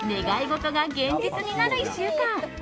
願い事が現実になる１週間。